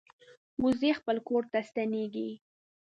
وزې خپل کور ته ستنېږي